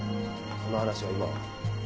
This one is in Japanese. その話は今は。